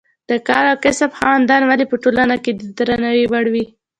د کار او کسب خاوندان ولې په ټولنه کې د درناوي وړ وي.